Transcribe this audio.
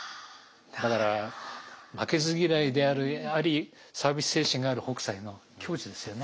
だから負けず嫌いでありサービス精神がある北斎の境地ですよね